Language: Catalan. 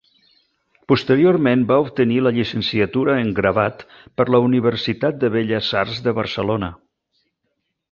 Posteriorment va obtenir la llicenciatura en Gravat per la Universitat de Belles Arts de Barcelona.